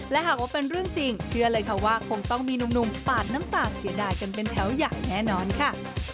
และหากว่าเป็นเรื่องจริงเชื่อเลยค่ะว่าคงต้องมีหนุ่มปาดน้ำตาเสียดายกันเป็นแถวอย่างแน่นอนค่ะ